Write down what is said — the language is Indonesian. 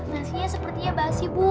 nasinya sepertinya basi bu